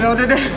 ya udah deh